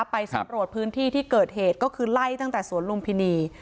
ไปสำรวจพื้นที่ที่เกิดเหตุก็คือไล่ตั้งแต่สวนลุมพินี